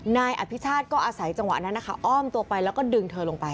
นายอภิชาติก็อาศัยจังหวะนั้นนะคะอ้อมตัวไปแล้วก็ดึงเธอลงไป